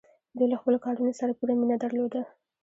دوی له خپلو کارونو سره پوره مینه درلوده.